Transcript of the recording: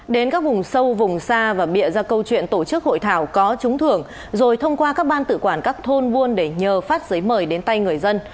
đến các vùng sâu vùng xa và bịa ra câu chuyện tổ chức hội thảo có trúng thưởng rồi thông qua các ban tự quản các thôn buôn để nhờ phát giấy mời đến tay người dân